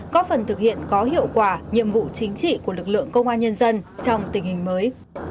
có phần thực hiện có hiệu quả nhiệm vụ chính trị của lực lượng công an nhân dân trong tình hình mới